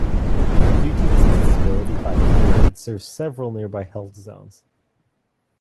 Due to its accessibility by canoe it served several nearby health zones.